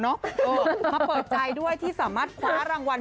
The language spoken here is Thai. มาเปิดใจด้วยที่สามารถคว้ารางวัล